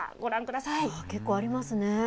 結構ありますね。